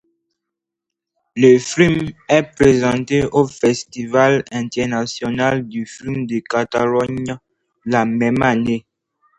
Le film est présenté au Festival international du film de Catalogne, la même année.